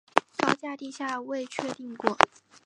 高架地下未确定过。